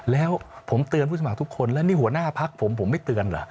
แล้วผมเตือนผู้สมัครทุกคนแล้วนี่หัวหน้าพักผมผมไม่เตือนเหรอ